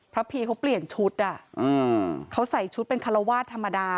พระผีเขาเปลี่ยนชุดเป็นคาราวาสธรรมดา